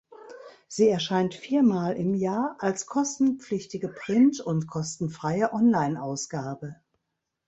Sie erscheint viermal im Jahr als kostenpflichtige Print- und kostenfreie Onlineausgabe.